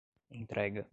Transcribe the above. entrega